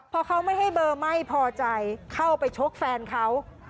พอเขาไม่ให้เบอร์ไม่พอใจเข้าไปชกแฟนเขา